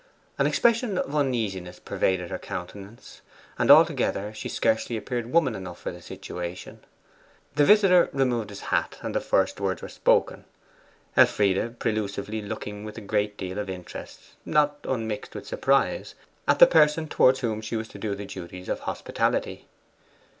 An expression of uneasiness pervaded her countenance; and altogether she scarcely appeared woman enough for the situation. The visitor removed his hat, and the first words were spoken; Elfride prelusively looking with a deal of interest, not unmixed with surprise, at the person towards whom she was to do the duties of hospitality.